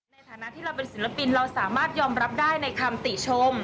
ในฐานะที่เราเป็นศิลปินเราสามารถยอมรับได้ในคำติชม